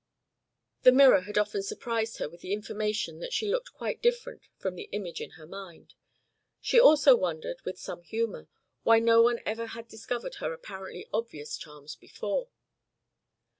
The mirror had often surprised her with the information that she looked quite different from the image in her mind. She also wondered, with some humour, why no one ever had discovered her apparently obvious charms before.